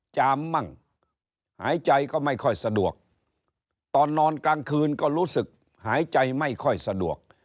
จามมั่งหายใจก็ไม่ค่อยสะดวกตอนนอนกลางคืนก็รู้สึกหายใจไม่ค่อยสะดวก